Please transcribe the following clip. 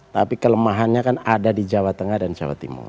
tapi kelemahannya kan ada di jawa tengah dan jawa timur